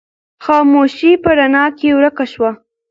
خاموشي په رڼا کې ورکه شوه.